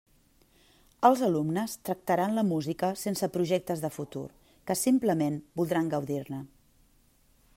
Els alumnes tractaran la música sense projectes de futur, que simplement voldran gaudir-ne.